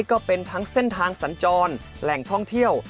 ก็เป็นทั้งเส้นทางสัญจรแหล่งท่องเที่ยว